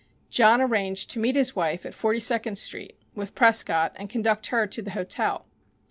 John arranged to meet his wife at Forty second Street with Prescott and conduct her to the hotel.